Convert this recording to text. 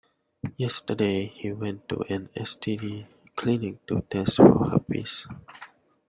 Yesterday, he went to an STD clinic to test for herpes.